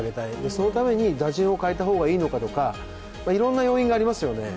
そのために打順を変えた方がいいのかとかいろんな要因がありますよね。